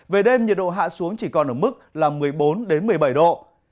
về đêm nhiệt độ hạ xuống chỉ còn ở mức là một mươi bốn một mươi bảy độ